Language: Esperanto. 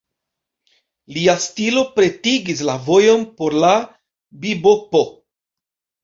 Lia stilo pretigis la vojon por la bibopo.